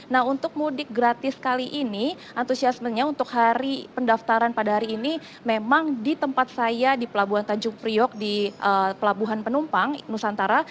nah untuk mudik gratis kali ini antusiasmenya untuk hari pendaftaran pada hari ini memang di tempat saya di pelabuhan tanjung priok di pelabuhan penumpang nusantara